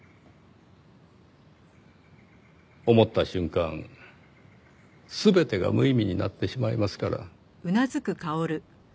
思った瞬間全てが無意味になってしまいますから。